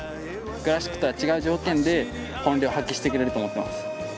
クラシックとは違う条件で本領発揮してくれると思ってます。